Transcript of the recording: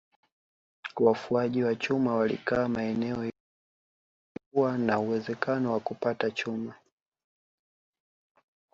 Wafuaji wa chuma walikaa maeneo yote yaliyokuwa na uwezekano wa kupata chuma